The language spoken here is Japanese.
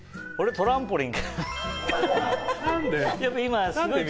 トランポリン